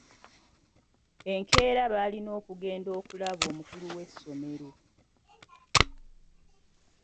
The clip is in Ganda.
Enkeera baalina okugenda okulaba omukulu w'essomero.